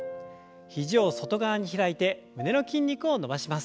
肘を外側に開いて胸の筋肉を伸ばします。